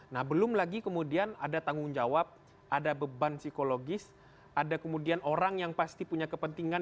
nah belum lagi kemudian ada tanggung jawab ada beban psikologis ada kemudian orang yang pasti punya kepentingan